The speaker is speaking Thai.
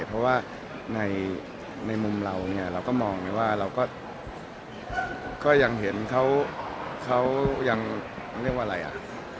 เพราะว่าในมุมเราเนี่ยเราก็มองไปว่าเราก็ยังเห็นเขายังเรียกว่าอะไรอ่ะ